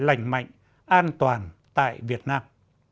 lành mạnh an toàn tại việt nam